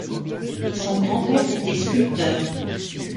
Son grand-père était sculpteur.